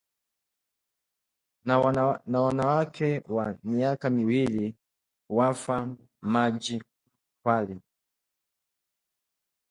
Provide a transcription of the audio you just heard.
na mwanawe wa miaka miwili wafa maji Kwale